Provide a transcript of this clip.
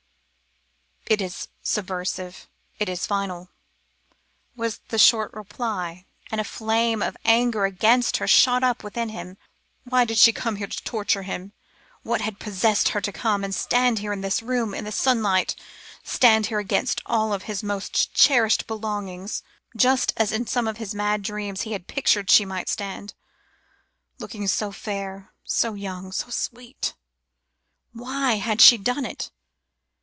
"It is subversive it is final," was the short reply, and a flame of anger against her shot up within him. "Why did she come here to torture him? What had possessed her to come and stand here in his room, in the sunlight, stand here amongst all his most cherished belongings, just as in some of his mad dreams, he had pictured she might stand looking so fair, so young, so sweet? Why had she done it?